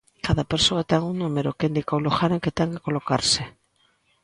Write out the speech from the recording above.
Cada persoa ten un número, que indica o lugar en que ten que colocarse.